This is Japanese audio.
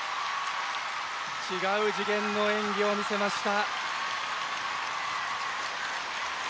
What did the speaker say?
違う次元の演技を見せました。